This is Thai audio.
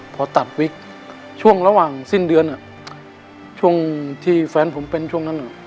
พอตัดวิกช่วงระหว่างสิ้นเดือนช่วงที่แฟนผมเป็นช่วงนั้น